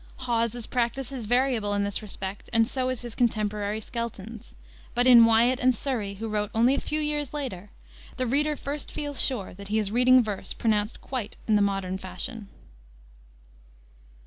Hawes's practice is variable in this respect, and so is his contemporary, Skelton's. But in Wiat and Surrey, who wrote only a few years later, the reader first feels sure that he is reading verse pronounced quite in the modern fashion.